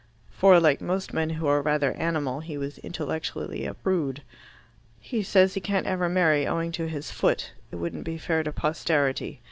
For, like most men who are rather animal, he was intellectually a prude. "He says he can't ever marry, owing to his foot. It wouldn't be fair to posterity.